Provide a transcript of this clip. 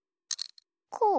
こう？